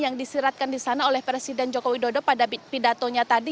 yang disiratkan di sana oleh presiden joko widodo pada pidatonya tadi